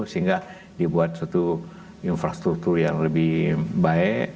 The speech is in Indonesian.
sehingga dibuat suatu infrastruktur yang lebih baik